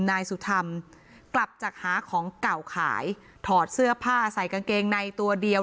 นายสุธรรมกลับจากหาของเก่าขายถอดเสื้อผ้าใส่กางเกงในตัวเดียว